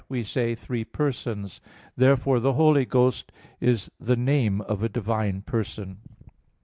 we say, Three persons." Therefore the Holy Ghost is the name of a divine person.